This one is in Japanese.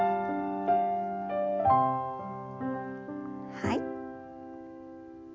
はい。